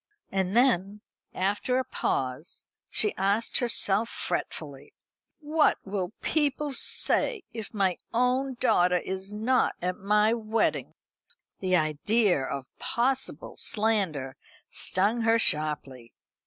And then, after a pause, she asked herself, fretfully: "What will people say if my own daughter is not at my wedding?" The idea of possible slander stung her sharply.